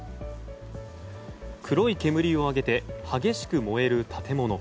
黒い煙を上げて激しく燃える建物。